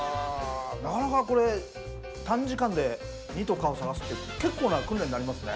なかなかこれ短時間で「２」と「か」を探すって結構な訓練になりますね。